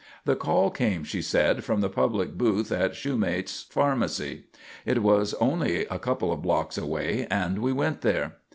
The call came, she said, from the public booth at Shumate's pharmacy. It was only a couple of blocks away, and we went there.